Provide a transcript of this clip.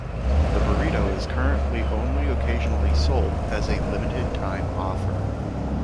The burrito is currently only occasionally sold, as a "limited time offer".